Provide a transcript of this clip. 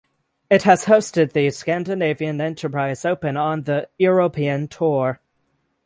It has hosted the Scandinavian Enterprise Open on the European Tour.